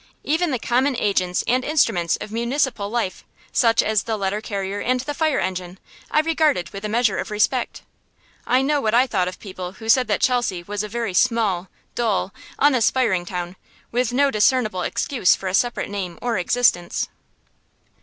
Even the common agents and instruments of municipal life, such as the letter carrier and the fire engine, I regarded with a measure of respect. I know what I thought of people who said that Chelsea was a very small, dull, unaspiring town, with no discernible excuse for a separate name or existence.